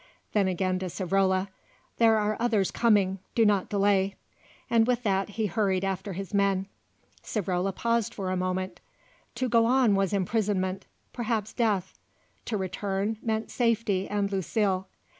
Then again to Savrola: "There are others coming, do not delay;" and with that he hurried after his men. Savrola paused for a moment. To go on was imprisonment, perhaps death; to return, meant safety and Lucile.